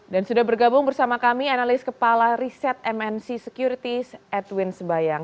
dan sudah bergabung bersama kami analis kepala riset mnc securities edwin sebayang